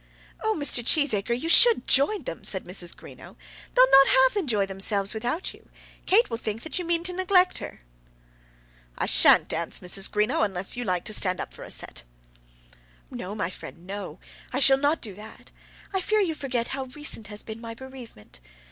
"Oh, Mr. Cheesacre, you should join them," said Mrs. Greenow; "they'll not half enjoy themselves without you. Kate will think that you mean to neglect her." "I shan't dance, Mrs. Greenow, unless you like to stand up for a set." "No, my friend, no; I shall not do that. I fear you forget how recent has been my bereavement.